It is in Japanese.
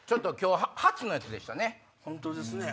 本当ですね。